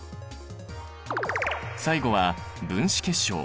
最後は分子結晶。